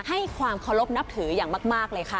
ให้ความเคารพนับถืออย่างมากเลยค่ะ